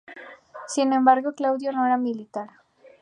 Sin embargo, Claudio no era militar.